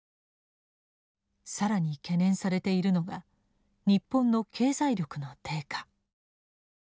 更に懸念されているのが日本の経済力の低下。